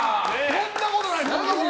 そんなことない。